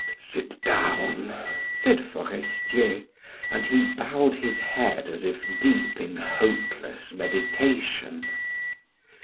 "Sit down," said Forestier, and he bowed his head as if deep in hopeless meditation.